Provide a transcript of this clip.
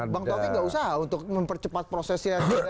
bang tauke enggak usaha untuk mempercepat prosesnya